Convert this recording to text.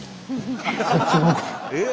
えっ？